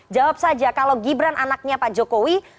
jawab saja kalau gibran anaknya pak jokowi